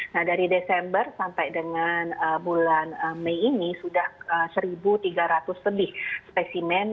nah dari desember sampai dengan bulan mei ini sudah satu tiga ratus lebih spesimen